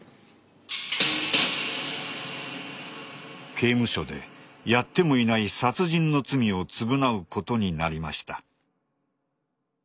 刑務所でやってもいない殺人の罪を償うことになりました。